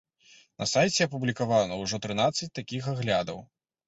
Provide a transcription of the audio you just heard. На сайце апублікаваныя ўжо трынаццаць такіх аглядаў.